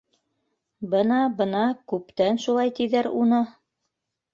— Бына, бына, күптән шулай тиҙәр уны!